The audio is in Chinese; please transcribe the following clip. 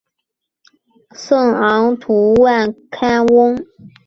圣昂图万坎翁。